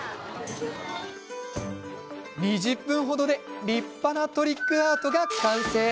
２０分程で立派なトリックアートが完成。